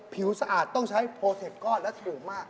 สะอาดต้องใช้โพเทคก้อนและถูกมาก